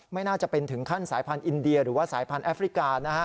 ไม่น่าจะเป็นถึงขั้นสายพันธุอินเดียหรือว่าสายพันธแอฟริกานะฮะ